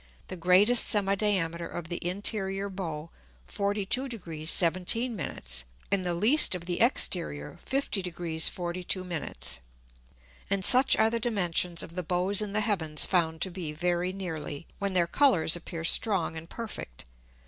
the greatest Semi diameter of the interior Bow 42 Degr. 17 Min. and the least of the exterior 50 Degr. 42 Min. And such are the Dimensions of the Bows in the Heavens found to be very nearly, when their Colours appear strong and perfect.